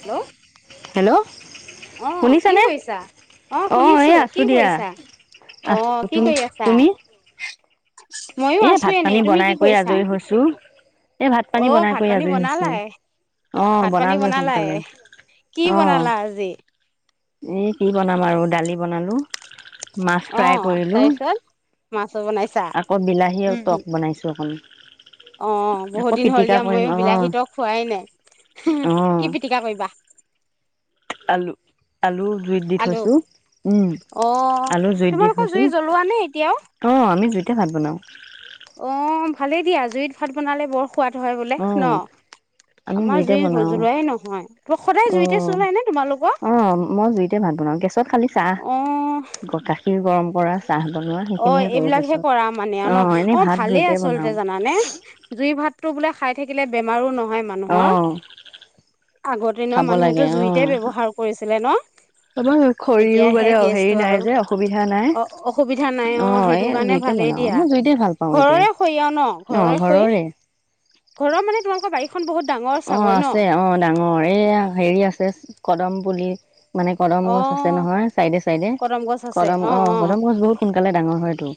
Hello অ' কি কৰিছা? অ' শুনিছো। কি কৰিছা? অ' কি কৰি আছা? এ ভাত পানী বনাই কৰি আজৰি হৈছো। এ ভাত পানী বনাই কৰি আজৰি হৈছো। অ' বনালোয়ে সোনকালে অ'। এ কি বনাম আৰু দালি বনালো। অ' তাৰপিছত মাছো বনাইছা। কৌ বিলাহী আৰু টক বনাইছোঁ অকণমান। অ' বহুত দিন হ'ল দিয়া ময়ো বিলাহী টক খোৱাই নাই। কি পিটিকা কৰিবা? আলু। আলু জুইত দি থৈছো। উম। আলু জুইত দি থৈছো। অ আমি জুইত ভাত বনাওঁ অ' ভালেই দিয়া জুইত ভাত বনালে বৰ অ'। আমি জুইতে বনাও। অ। ' অ' মই জুইতে ভাত বনাওঁ, গেছত খালি চাহ। গাখীৰ গৰম পৰা অ' এইবিলাকহে কৰা মানে আৰু ন অ ভালেই আচলতে জানানে জুই ভাত টো বোলে খাই থাকিলে বেমাৰো ন নহয় মানুহৰ আগত মানুহেতো জুইতে ব্যৱহাৰ কৰিছে [unintelligible] আমাৰ খৰিও মানে অ হেৰি নাই যে অসুবিধা নাই। নাই অ, সেইটো কাৰণে ভালেই দিয়া। ঘৰৰে খৰি আৰু ন? ঘৰৰে খৰি ঘৰৰ মানে তোমালোকৰ বাৰী অ, আছে অ, ডাঙৰ এইয়া হেৰি আছে। কদম বুলি মানে কদম গছ আছে নহয় চাইডে চাইডে কদম অঁ কদম গছ বহুত সোনকালে ডাঙৰ হয়টো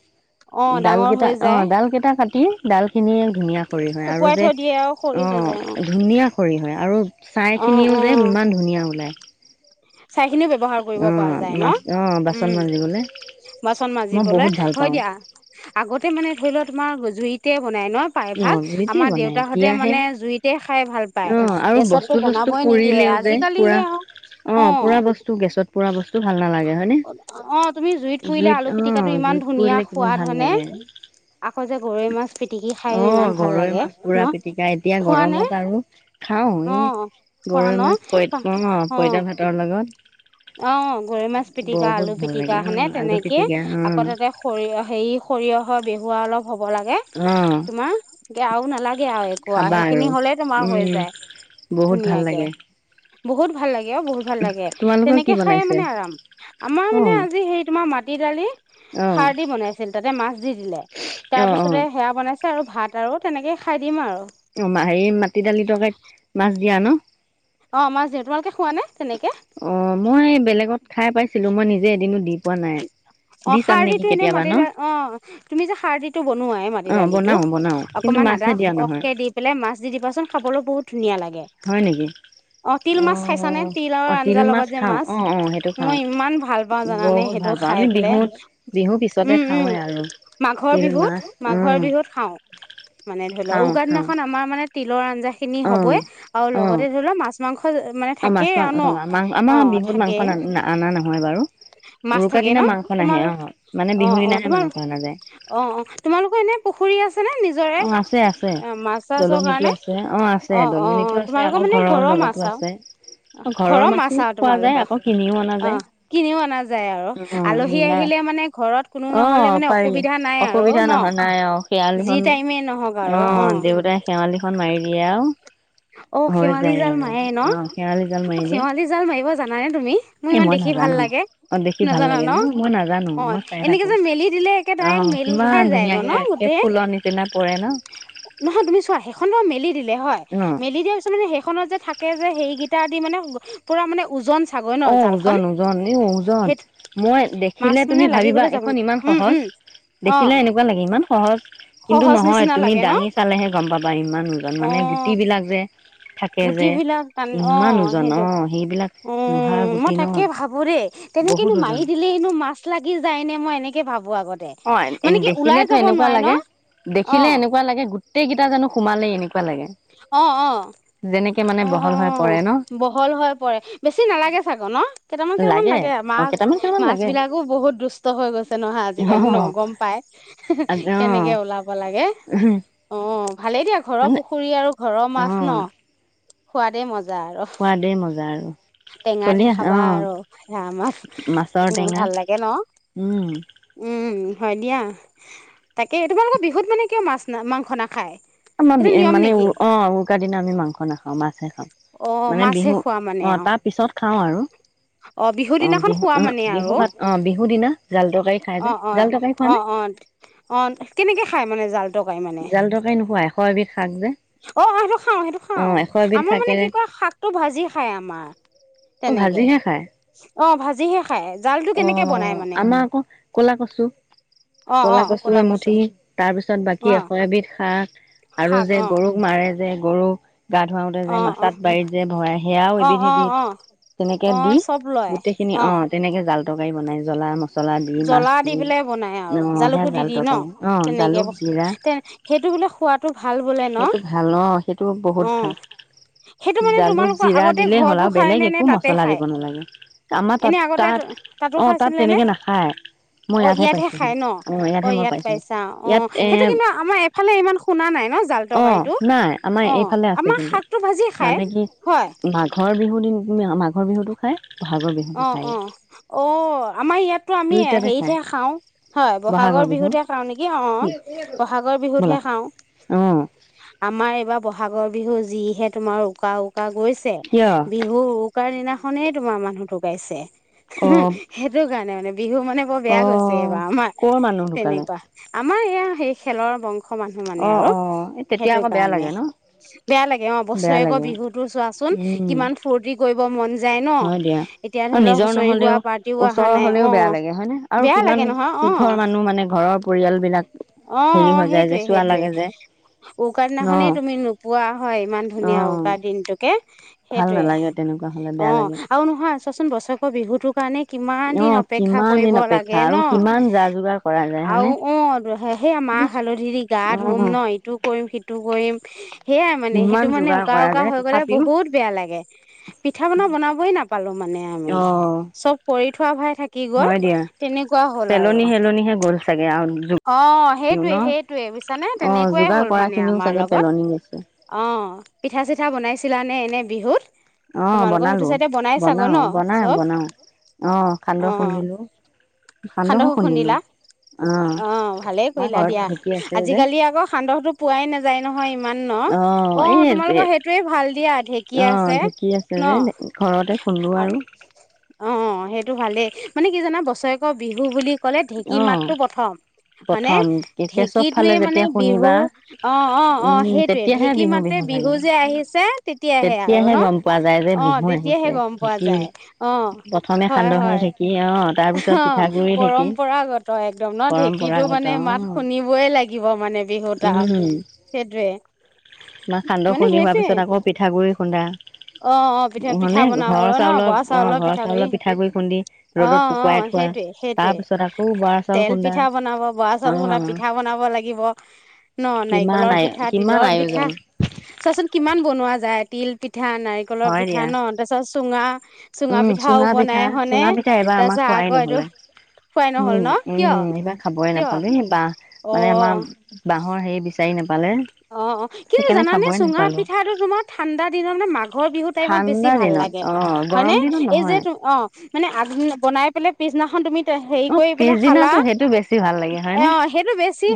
ডালকেইটা অঁ ডালকেইটা কাটি ডাল খিনি ধুনীয়া। শুকুৱাই থৈ দিয়ে আৰু খৰি হৈ যায় অ ধুনীয়া খৰি হয় আৰু ছাইখিনিও যে ইমান ধুনীয়া ওলায়। ছাই খিনিও ব্যৱহাৰ কৰিব পৰা যায় ন? উম, বাচন মাজিবলে। হয় দিয়া। আগতে মানে ধৰি লোৱা তোমাৰ জুইতে বনাই ন প্ৰায় ভাগ আমাৰ দেউতাহঁতে মানে জুইতে খাই ভাল পায় গেছতো বনাবই নিদিয়ে আজিকালিহে আহ পুৰা বস্তু গ চত পূৰাব ভাল নালাগে হয় নে জুইত অ, জুইত পৰিুলে কিমান ভাল লাগে। অ, গৰৈ মাছ পুৰা পিটিকা এতিয়া গৰমত আৰু খাওঁ এই গৰৈ মাছ পইত অ, অ, পইতা ভাতৰ লগত। অ, গৰৈ মাছ পিতিকা আলু পিতিকা হৈনে তেনেকে আকৌ তাতে সৰিয় হেৰি সৰিয়হৰ বি বোৱা অলপ হ'ব লাগে তোমাৰ গেও নালাগে আৰু একো সেইখিনি হলেই তোমাৰ হৈ যায় ধুনীয়াকে। বহুত ভাল লাগে। এয়াও বহুত ভাল লাগে। খাইয়ে মানে আৰাম আমাৰ মানে আজি হে তোমাৰ মাটি দালি। খাৰ দি বনাইছিল তাতে মাছ দি দিলে তাৰ পিছতে সেয়া বনাইছিল। আৰু ভাত আৰু তেনেকে খাই দিম আৰু। অ, আমাৰ যিহে তোমালোকে খোৱা নে তেনেকে? অ, মই বেলেগত খাই পাইছিলো মই নিজে অ, খাৰ দিটো এনে মাটি দাল অ তুমি যে খাৰ দিটো বনোৱাই মাটি দালিটো অকনমান আদা সখকে দি পেলাই মাছ দি দিবাচোন খাবলৈ বহুত ধুনীয়া লাগে। গে অ, তিল মাছ খাইছা নে তিলৰ আঞ্জা লগত যে মাছ মই ইমান ভাল তা জানে সেইটো খাই পেলাই উম- উম মাঘৰ বিহুত মাঘৰ বিহুত খাও মানে ধৰি লও উৰুকা দিনাখন আমাৰ মানে তিলৰঞ্জা খিনি হবই আৰু লগতে ধৰি লও মাছ অ', মাছ মাং অ', মাং আমাৰ বিহুত মাংস অনা নহয় বাৰু [unintelligible] মাছ থাকে ন তোমালোক অ', - অ', তোমাল অ ', - অ ', তোমালোকৰ এনে পুখুৰী আছে? অ ', আছে আছে দলনিতো আছে অ', আছে দলনিতো আছে আকৌ ঘৰৰ লগতো আছে ঘৰৰ মাছো খোৱা যায় আকৌ কিনিও অনা যায়। জাই আৰু আলহী আহিলে মানে ঘৰত কোনো নহলে মানে অসুবিধা নাই আৰু ন ', যি তে অ ', দেউতাই শেৱালিখন মাৰি সেয়াও অ অঁখেৱালি জাল মাৰে ন অ খেৱালি জাল মাৰিব জানানে তুমি মোৰ ইমান দেখি ভাল লাগে নাজানা ন অ এনেকে যে মেলি দিলে একে ডাইৰেক্ট মেল খাই যায় ন গোটেই দিনাৰ পৰাই ন মেলি দিলে হয় মেলি দিয়া পিছ মানেই সেইখনত যে থাক থাকে যে সেইকেইটা দি মানে পুৰা মানে ওজন অ ওজন ওজন এই ওজন মই দেখিলে তুমি ভাবিবা এইখন ইমান সহজ দেখিলে এনেকুৱা লাগে ন অ কিন্তু নহয় তুমি দাঙি চালেহে গম পাবা ইমান ওজন মানে গুটি বিলাক যে থাকে যে ইমান ওজন অ সেইবিলাক উম মই তাকে ভাবো দেই তেনেকেনো মাৰি দিলে নো মাছ লাগি যায় নে মই এনেকে অ দেখিলেতো এনেকুৱা লাগে দেখিলে এনেকুৱা লাগে গোটে গোটেইকেইটা জানো সোমালে এ অ অ অ অ বহল হৈ পৰে বেছি নালাগে চাগে ন কেইটামান কেইটামান লাগে মাছ মাছ বিলাকো বহুত দুষ্ট হৈ গৈছে নহয় আজিকালি আজিকালি ন গম পাই কেনেকে ওলাব লাগে এ অ অঁ ভালেই দিয়া ঘৰৰ পু আৰু ঘৰৰ মাছ ন সোৱাদেই মজা আৰু টেঙা দি খাবা আৰু সেয়া মাছ আমাৰ ইমান ভাল লাগে ন উম হয় দিয়া তাকে তোমালোকৰ বিহুত মানে কিয় মাছ মাংস নাখায় আমাৰ বি মানে উ অ উৰুকাৰ দিনা আমি মাংস নাখাও মাছহে খাওঁ মানে বিহু অ তাৰ পিছত খাওঁ আৰু অ বিহু বিহু ভাত অ বিহু দিনা জাল তৰকাৰী খাই যে জাল তৰকাৰি খোৱা নে জাল তৰকাৰী নোখোৱা হয় বিহ অঁ অ অঁসেইটো খাও সেইটো খাও আমাৰ মানে কি কয় শাকটো ভাজি খায় আমাৰ তেনেকৈ অঁ ভাজিহে অঁ আমাৰ আকৌ কলা কচু কলা কচু এমুঠি তাৰপিছত বাকী এশ এবিধ শাক আৰু যে গৰুক মাৰে যে গৰু গা ধুৱওঁতে যে মাছাত বাৰীত যে ভৰাই সেয়াও এবিধ এবিধ তেনেকে দি গোটেইখিনি অঁ তেনেকৈ জাল তৰকাৰী বনাই জ্বলা মছ জ্বলা দি পেললে বনাই আৰু জালুকু দি দি ন তেনেকে সেইটো বোলে খোৱাতো ভাল সেইটো ভাল ন সেইটো বহুত ভাল জালুক জিৰা দিলেই হ'ল আৰু বেলেগ একো মছলা দিব নালাগে আমাৰ তাত তাত অ তাত তেনেকে নাখায় অ ইয়াতহে খাই ন অ ইয়াত পাইছা অ সেইটো কিন্তু আমাৰ এফালে ইমান শুনা নাই ন অ নাই আমাৰ এইফালে আছে কিন্তু মানে কি মাঘৰ বিহু দিন মাঘৰ বিহুতটো খায় অ অ ঔ আমাৰ ইয়াতো আমি হেৰিতহে খাওঁ হয় বহাগৰ বিহুতহে খাওঁ নেকি অ বহাগৰ বিহুতহে খাওঁ আমাৰ এইবাৰ ব'হাগৰ বিহু যিহে তোমাৰ উকা উকা উকা গৈছে বিহু উকাৰ দিনাখনেই তোমাৰ মানুহতোক পাইছে সেইটোৰ কাৰণে মানে বিহু মানে বৰ বেয়া গৈছে এইবাৰ আমাৰ তেনেকুৱা আমাৰ এয়া সেই খেলৰ বংশ মানুহ মানে আৰু সেইটো কাৰণে বেয়া লাগে অ বছৰেকৈ বিহুতো চোৱাচোন কিমান ফূুৰ্তি কৰিব মন [unintelligible] যায় ন অঁ নিজৰ নহলেও ওচৰৰ হলেও বেয়া লাগে হয় নে আৰু কিমান কিহৰ মানুহ মানে ঘৰৰ পৰিয়াল বি অঁ অঁ সেইটোৱে সেইটোৱে উকাৰ দিনাখনেই তুমি নোপোৱা হয় ইমান ধুনীয়া উকাৰ দিনটোকে সেইটোৱে অঁ আৰু নহয় চাচোন বছৰেক বি সেইটোও কাৰণে [unintelligible] কিমান দিন অপেক্ষা কৰিব লাগে ন আৰু অঁ সেয়া মমাক হালধিৰে গা ধম ন ইটোও কৰিম সিটো কৰিম সেয়াই মানে সেইটো মানে উকা উকা হৈ গ'লে বহুত বেয়া লাগে পিঠা পনা বনাবই নাপালো মানে আমি চব কৰি থোৱা ভাই থাকি গল তেনেকুৱা হ'ল আৰু অ অঁ সেইটোৱে সেইটোৱে বুজিছানে তেনেকুৱাই হ'ল মানে আমাৰ লগত অ পিঠা চিঠা পিঠা বনাইছিলানে এনে বিহুত অঁ বনালোঁ বনাওঁ বনাই বনাওঁ অঁ সান্দহ খুন্দিলোঁ সান্দহো খুন্দিলোঁ অঁ কৰিলা দিয়া আজিকালি আকৌ সান্দহতো পোৱাই নাযায়। নহয় ইমান ন অ তোমালোকৰ সেইটোৱে ভাল দিয়া ঢেঁকী আছে ন। অঁ সেইটো ভালেই মানে কি জানা বছৰেকৰ বিহু বুলি ক'লে ঢেঁকী মাতটো প্ৰথম হয়নে ঢেঁকীটোৱে মানে বিহুৰ অঁ', অঁ', অঁ', সেইটোৱে ঢেঁকী মাত্ৰে বিহু যে আহিছে তেতিয়াহে আৰু ন অঁ', তেতিয়াহে গম পোৱা যায় অঁ হয় হয় অঁ', পৰম্পৰা ত একদম ন ঠিক। পৰম্পৰাগত অঁ উম ত সান্দহ খুন্দি হোৱা। পিছত আকৌ পিঠাগুৰি খুন্দা উ মানে ঘৰৰ চাউলৰ অঁ ঘৰৰ চাউলৰ পিঠাগুৰি খুন্দি ৰ'দত শুকুৱাই থোৱা তাৰ পিছত আকৌ বৰা চাউল খুন্দা। পিঠা বনাব বৰা চাউল খুন্দা পিঠা বনাব লাগিব ন নাৰিকলৰ পিঠা তিলৰ পিঠা চোৱাচোন কিমান বনোৱা যায়। তিল পিঠা। পিঠা নাৰিকলৰ পিঠা ন তাৰপাছত। চুঙা। চুঙা পিঠাওঁ বনাই হয়নে তাৰপিছত আকৌ এইটো খুৱাই নহল ন কিয়? খাবই নাপালো সেই বাহ মানে আমাৰ বাহৰ হেৰি বিচাৰি। ন [unintelligible] অঁ অঁ কিন্তু জানানে চুঙা পিঠাটো তোমাৰ ঠাণ্ডা দিনত মানে মা। মাঘ বিহু টাইমত বেছি ভাল লাগে হয়নে এই যে অ', মানে আগ বনাই পেলাই পিছ দিনাখন তুমি অ পিছদিনো সেইটো বেছি ভাল লাগে হয় নে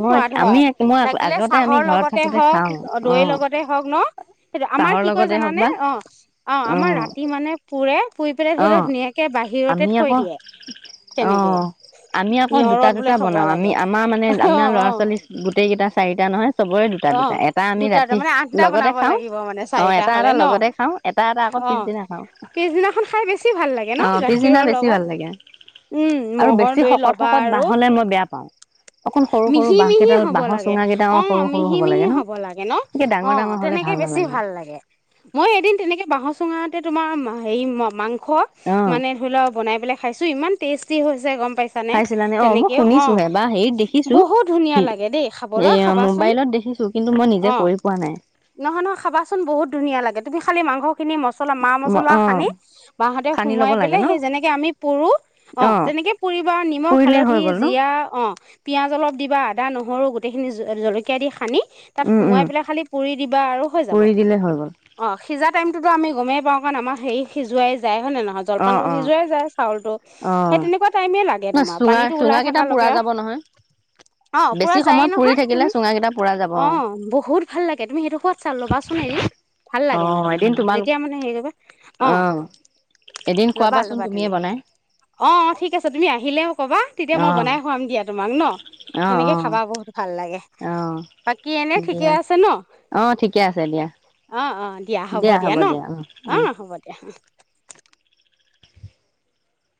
মই আমি মই আগতে। কাহৰ লগতে হওক দৈৰ লগতে হওক ন সেইটো আমাৰ কি কয় জানানে অ', অ', আমাৰ ৰাতি মানে পুৰে। অ আমি আকৌ অ আমি আকৌ দুটা দুটা বনাওঁ আমি আমাৰ মানে আমাৰ ল'ৰা ছোৱালী গোটেই কেইটা চাৰিটা নহয়। চবৰে দুটা দুটা এটা আমি ৰাতি লগতে খাওঁ অ এটা এটা লগতে খাওঁ এটা এটা আকৌ পিছদিনা খাওঁ। অ পিছদিনা বেছি ভাল লাগে আৰু বেছি শকত শকত বাহলে মই বেয়া পাও অকন সৰু সৰু বাহ কেইডাল বাহৰ চুঙা কেইটাও সৰু মিহি মিহি হ'ব লাগে ন অ', তেনেকে বেছি ভাল লাগে মই এদিন তেনেকে বাঁহ চুঙাতে তোমাৰ হেৰি মাংস। ওখ মানে ধৰি লওক বনাই পেলাই খাইছোঁ ইমান টেষ্ট কি হৈছে গম- পাইছ নে তেনেকেও অ বহুত ধুনীয়া লাগে দেই খাব ল খাবাচোন। অ', নহয়-নহয় খাবাচোন বহুত ধুনীয়া লাগে তুমি খালি মংস খিনি মছলা মা মচলা সানি বাহতে সোমোৱাই পেলাই সেই যেনেকে আমি পুৰো অ', তেনেকে পুৰিবা নিমখ হালধি জিৰা অ', পিয়াঁজ অলপ দিবা। দা নহৰু গোটেইখিনি জলকীয়া জলকীয়া দি সানি তাত সোমোৱাই পেলাই খালি পুৰি দিবা আৰু হৈ যাব অ', সিজা টাইমটোত আমি গমেই পাওঁ কাৰণ আমাৰ হেৰি সিজোৱাই যায়। হয় নে নহয় জলপানতো সিজোৱাই যায় চাউলটো সেই তেনেকুৱা টাইমে ন চুঙা-চুঙা কেইটা পুৰা যাব নহয় বেছি সময় পুৰি থাকিলে চুঙা অ', বহুত ভাল লাগে তুমি সেইটো খোৱাদ চা ল'বাচোন এদিন ভাল লাগে মানে যেতিয়া মানে হেৰি কৰিবা অ ল'বা ল'বা তেনেকে অ', ঠিক আছে তুমি আহ হিলেও ক'বা তেতিয়া মই বনাই খোৱাম দিয়া তোমাক ন সেনেকে খাবা বহুত ভাল লাগে। অ দিয়া অ ঠিকে আছে দিয়া। অ-অ, দিয়া হ'ব দিয়া ন অ হ'ব দিয়া অ',